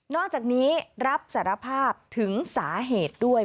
อกจากนี้รับสารภาพถึงสาเหตุด้วย